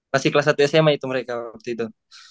masih kelas satu sma itu mereka waktu itu